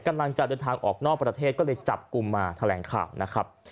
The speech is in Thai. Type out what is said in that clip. กำลังจะเดินทางออกนอกประเทศก็เลยจับกลุ่มมาแถลงข่าวนะครับ